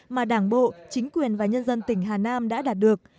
mà đảng bộ chính quyền và nhân dân tỉnh hà nam đã đạt được